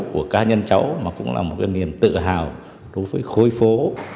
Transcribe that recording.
của cá nhân cháu mà cũng là một cái niềm tự hào đối với khối phố